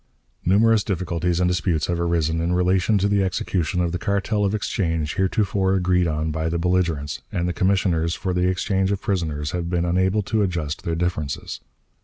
"Numerous difficulties and disputes have arisen in relation to the execution of the cartel of exchange heretofore agreed on by the belligerents, and the commissioners for the exchange of prisoners have been unable to adjust their differences.